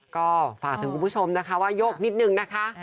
ก็ฝากถึงคุณผู้ชมนะคะว่าโยกนิดนึงนะคะ